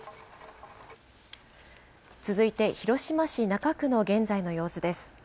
続いて、広島市中区の現在の様子です。